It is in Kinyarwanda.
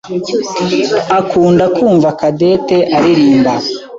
akunda kumva Cadette aririmba.